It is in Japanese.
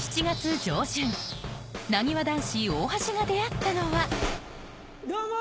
なにわ男子大橋が出会ったのはどうも！